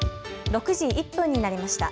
６時１分になりました。